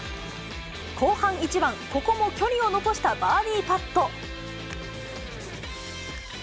後半１番、ここも距離を残したバーディーパット。